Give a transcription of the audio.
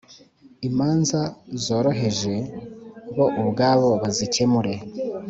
imanza zoroheje bo ubwabo bazikemre